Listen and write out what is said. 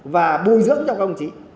và bồi dưỡng cho các ông chí